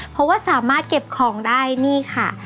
เพราะว่าสามารถเก็บของได้นี่ค่ะ